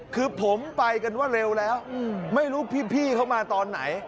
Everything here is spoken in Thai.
คือผมไปกันว่าเร็วแล้วไม่รู้พี่เขามาตอนไหน